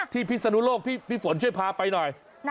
พิศนุโลกพี่ฝนช่วยพาไปหน่อย